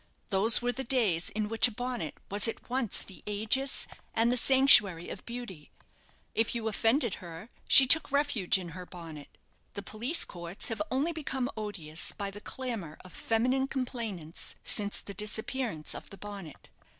Those were the days in which a bonnet was at once the aegis and the sanctuary of beauty. If you offended her, she took refuge in her bonnet. The police courts have only become odious by the clamour of feminine complainants since the disappearance of the bonnet.